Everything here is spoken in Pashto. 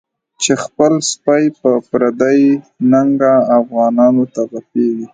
چی خپل سپی په پردی ننگه، افغانانوته غپیږی